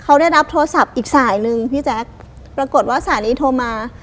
เขาได้รับโทรศัพท์อีกสายนึงพี่แจ๊คปรากฏว่าสายนี้โทรมา